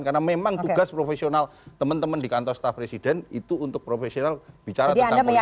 karena memang tugas profesional teman teman di kantor staf presiden itu untuk profesional bicara tentang politik kebangsaan